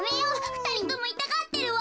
ふたりともいたがってるわ！